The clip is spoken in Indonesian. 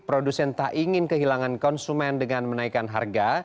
produsen tak ingin kehilangan konsumen dengan menaikkan harga